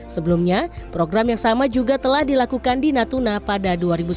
sebelumnya program yang sama juga telah dilakukan di natuna pada dua ribu sembilan belas